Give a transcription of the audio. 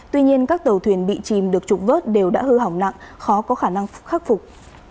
tuy nhiên các tàu thuyền bị chìm được trục vớt đều đã hư hỏng nặng khó có khả năng khắc phục